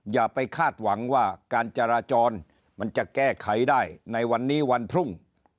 อย่าไปคาดหวังว่าการจราจรมันจะแก้ไขได้ในวันนี้วันพรุ่ง